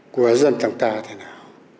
của dân tộc ta thế nào